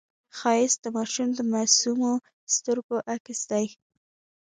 ښایست د ماشوم د معصومو سترګو عکس دی